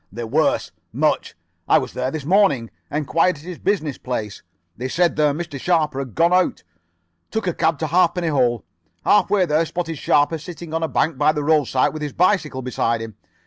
They're worse. Much. I was there this morning. Enquired at his business place. They said their Mr. Sharper had gone out. Took a cab to Halfpenny Hole. Halfway there spotted Sharper sitting on a bank by the roadside with his bicycle beside him.